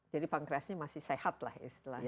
jadi pankreasnya masih sehat lah istilahnya